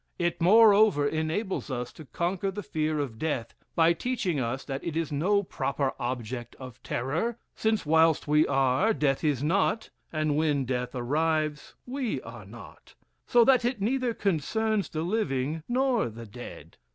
It moreover enables us to conquer the fear of death, by teaching us that it is no proper object of terror; since, whilst we are, death is not, and when death arrives, we are not: so that it neither concerns the living nor the dead.